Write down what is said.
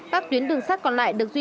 các tuyến đường sắt còn lại được phục vụ